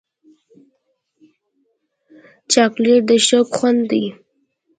چاکلېټ د شوق خوند دی.